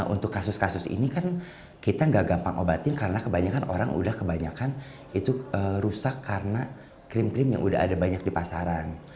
untuk kasus kasus ini kan kita nggak gampang obatin karena kebanyakan orang udah kebanyakan itu rusak karena krim krim yang udah ada banyak di pasaran